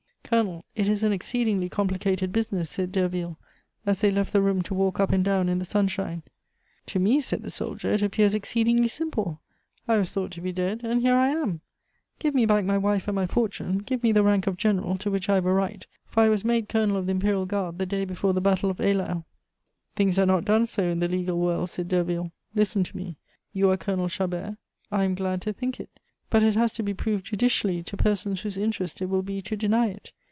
"Colonel, it is an exceedingly complicated business," said Derville as they left the room to walk up and down in the sunshine. "To me," said the soldier, "it appears exceedingly simple. I was thought to be dead, and here I am! Give me back my wife and my fortune; give me the rank of General, to which I have a right, for I was made Colonel of the Imperial Guard the day before the battle of Eylau." "Things are not done so in the legal world," said Derville. "Listen to me. You are Colonel Chabert, I am glad to think it; but it has to be proved judicially to persons whose interest it will be to deny it.